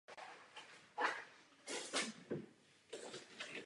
To říká První a Poslední.